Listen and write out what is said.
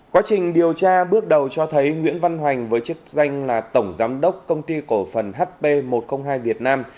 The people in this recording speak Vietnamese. quá trình điều tra bước đầu cho thấy nguyễn văn hoành với chức danh là tổng giám đốc công ty cổ phần hp một trăm linh hai việt nam